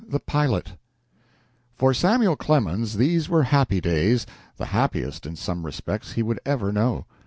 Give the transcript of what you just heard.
THE PILOT For Samuel Clemens these were happy days the happiest, in some respects, he would ever know.